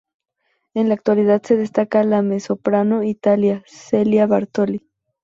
En la actualidad se destaca la mezzosoprano italiana Cecilia Bartoli.